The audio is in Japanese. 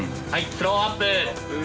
スローアップ。